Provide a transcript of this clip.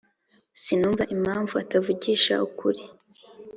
] sinumva impamvu atavugishije ukuri.